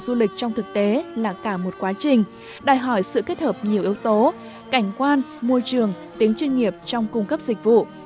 du lịch trong thực tế là cả một quá trình đòi hỏi sự kết hợp nhiều yếu tố cảnh quan môi trường tính chuyên nghiệp trong cung cấp dịch vụ